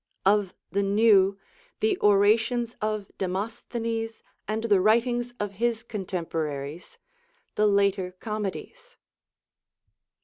Of the New, the orations of Demosthenes and the writings of his cotemporaries, the later comedies.